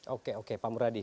oke oke pak muradi